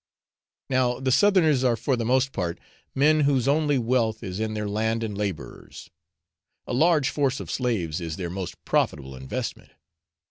Now the Southerners are for the most part men whose only wealth is in their land and labourers a large force of slaves is their most profitable investment.